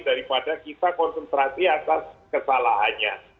daripada kita konsentrasi atas kesalahannya